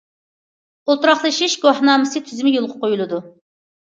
ئولتۇراقلىشىش گۇۋاھنامىسى تۈزۈمى يولغا قويۇلىدۇ.